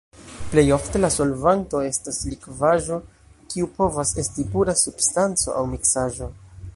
Plej ofte, la solvanto estas likvaĵo, kiu povas esti pura substanco aŭ miksaĵo.